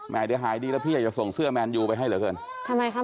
เดี๋ยวหายดีแล้วพี่อยากจะส่งเสื้อแมนยูไปให้เหลือเกินทำไมครับ